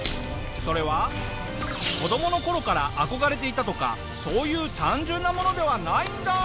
それは子どもの頃から憧れていたとかそういう単純なものではないんだ。